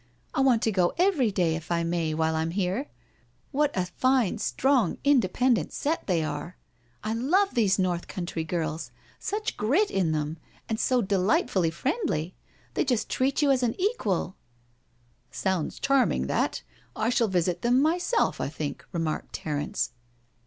I want to go every day, if I may, while I'm here. What a fine, strong, in dependent set they are I I love these North Country girls — such grit in them, and so delightfully friendly. They just treat you as an equal." " Sounds charming that I I shall visit them myself, I think," remarked Terence.